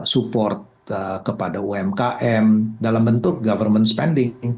support kepada umkm dalam bentuk pengebanaan pemerintah